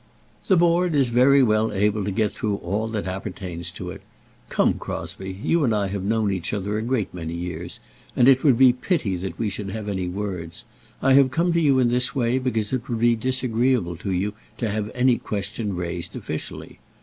"The Board is very well able to get through all that appertains to it. Come, Crosbie, you and I have known each other a great many years, and it would be a pity that we should have any words. I have come to you in this way because it would be disagreeable to you to have any question raised officially.